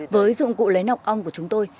với dụng cụ lấy nọc ong của chúng tôi